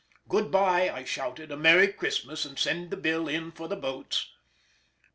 "Goodbye," I shouted; "a merry Christmas; send the bill in for the boats."